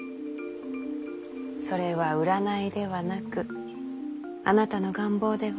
それは占いではなくあなたの願望では？